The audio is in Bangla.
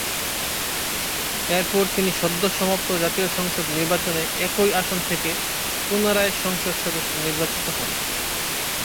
এরপর তিনি সদস্য সমাপ্ত জাতীয় সংসদ নির্বাচনে একই আসন থেকে পুনরায় সংসদ সদস্য নির্বাচিত হন।